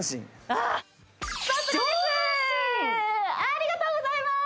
ありがとうございます